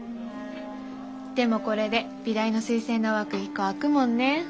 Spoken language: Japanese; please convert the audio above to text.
でもこれで美大の推薦の枠１個空くもんね。